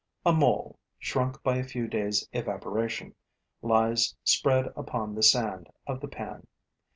A Mole, shrunk by a few days' evaporation, lies spread upon the sand of the pan.